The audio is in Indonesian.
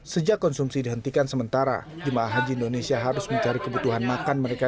sejak konsumsi dihentikan sementara jemaah haji indonesia harus mencari kebutuhan makan mereka